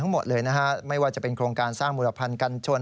หมดเลยนะฮะไม่ว่าจะเป็นโครงการสร้างบุรพันธ์กันชน